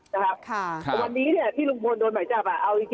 แต่วันนี้ที่ลุงมนต์เป็นใหม่จับ